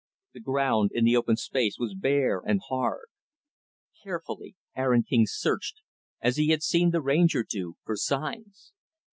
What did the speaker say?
The ground in the open space was bare and hard. Carefully, Aaron King searched as he had seen the Ranger do for signs.